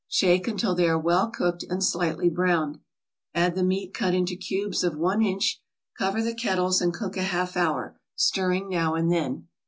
Shake until they are well cooked and slightly browned. Add the meat cut into cubes of one inch, cover the kettles and cook a half hour, stirring now and then.